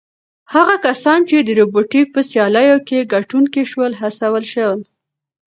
هغه کسان چې د روبوټیک په سیالیو کې ګټونکي شول هڅول شول.